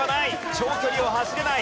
長距離を走れない。